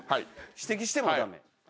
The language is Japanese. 指摘しても駄目。